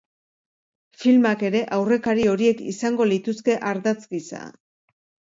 Filmak ere aurrekari horiek izango lituzke ardatz gisa.